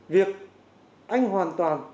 việc anh hoàn toàn